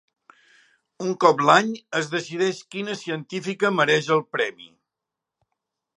Un cop l'any es decideix quina científica mereix el premi.